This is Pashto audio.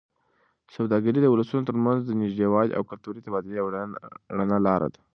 سوداګري د ولسونو ترمنځ د نږدېوالي او کلتوري تبادلې یوه رڼه لاره ده.